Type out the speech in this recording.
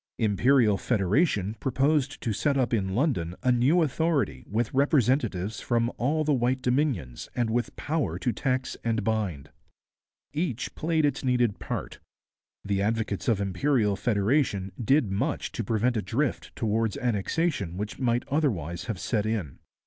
Imperial Federation proposed to set up in London a new authority with representatives from all the white Dominions and with power to tax and bind. Each played its needed part. The advocates of Imperial Federation did much to prevent a drift towards Annexation which might otherwise have set in.